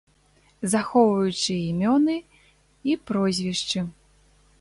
Захоўваючы імёны і прозвішчы.